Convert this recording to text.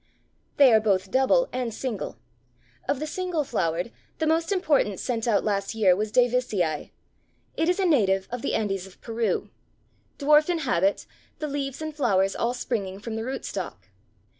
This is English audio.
They are both double and single. Of the single flowered, the most important sent out last year was Davisii. It is a native of the Andes of Peru. Dwarf in habit, the leaves and flowers all springing from the root stalk.